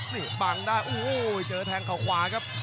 นี่บังได้โอ้โหเจอแทงเขาขวาครับ